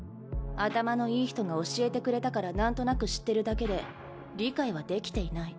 頭のいい人が教えてくれたから何となく知ってるだけで理解はできていない。